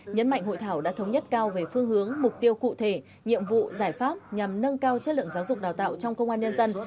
nhấn mạnh hội thảo đã thống nhất cao về phương hướng mục tiêu cụ thể nhiệm vụ giải pháp nhằm nâng cao chất lượng giáo dục đào tạo trong công an nhân dân